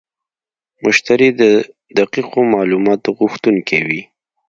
مشتری د دقیقو معلوماتو غوښتونکی وي.